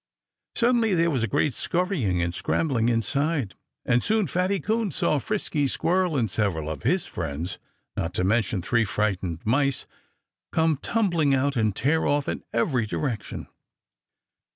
Suddenly there was a great scurrying and scrambling inside. And soon Fatty Coon saw Frisky Squirrel and several of his friends not to mention three frightened mice come tumbling out and tear off in every direction.